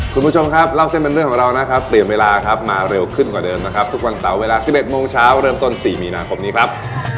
คุณผู้ชมครับเล่าเส้นเป็นเรื่องของเรานะครับเปลี่ยนเวลาครับมาเร็วขึ้นกว่าเดิมนะครับทุกวันเสาร์เวลา๑๑โมงเช้าเริ่มต้น๔มีนาคมนี้ครับ